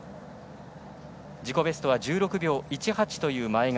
自己ベストは１６秒１８という前川。